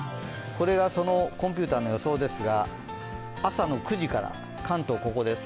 これがそのコンピューターの予想ですが朝の９時から関東、ここです。